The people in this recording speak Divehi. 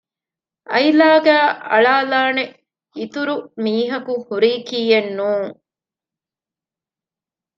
އައިލާގައި އަޅާލާނެ އިތުރު މީހަކު ހުރިކީއެއްނޫން